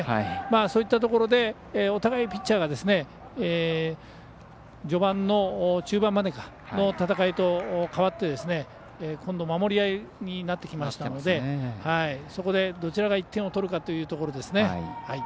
そういったところでお互いピッチャーが序盤の中盤までの戦いと変わって今度、守り合いになってきたのでそこでどちらが１点を取るかというところですね。